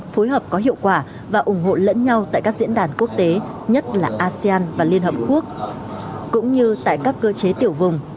phối hợp có hiệu quả và ủng hộ lẫn nhau tại các diễn đàn quốc tế nhất là asean và liên hợp quốc cũng như tại các cơ chế tiểu vùng